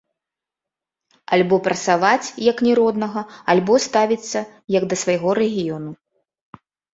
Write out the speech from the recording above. Альбо прасаваць як не роднага, альбо ставіцца як да свайго рэгіёну.